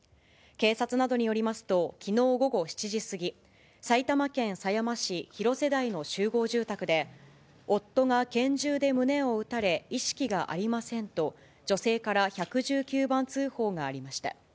警察などによりますと、きのう午後７時過ぎ、埼玉県狭山市広瀬台の集合住宅で、夫が拳銃で胸を撃たれ、意識がありませんと、女性から１１９番通報がありました。